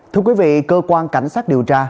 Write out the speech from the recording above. thưa quý vị cơ quan cảnh sát điều tra